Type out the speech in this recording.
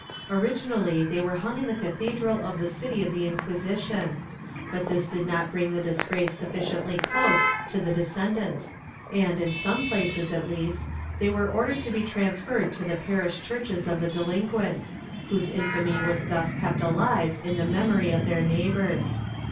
^ Originally they were hung in the cathedral of the city of the Inquisition, but this did not bring the disgrace sufficiently close to the descendants and, in some places at least, they were ordered to be transferred to the parish churches of the delinquents, whose infamy was thus kept alive in the mem ory of their neighbors.